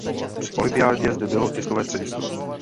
Při olympiádě zde bylo tiskové středisko.